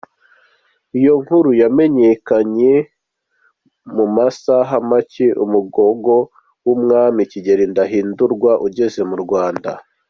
Iyo nkuru yamenyekanye amasaha make umugogo w’umwami Kigeli V Ndahindurwa ugeze mu Rwanda.